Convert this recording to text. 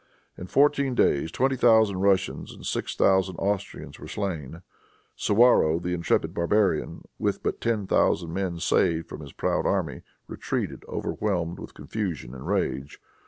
In fourteen days twenty thousand Russians and six thousand Austrians were slain. Suwarrow, the intrepid barbarian, with but ten thousand men saved from his proud army, retreated overwhelmed with confusion and rage.